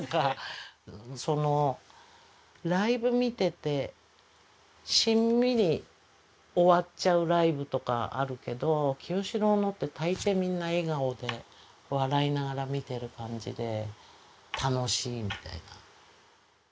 そのライブ見ててしんみり終わっちゃうライブとかあるけどキヨシローのって大抵みんな笑顔で笑いながら見てる感じで楽しいみたいな。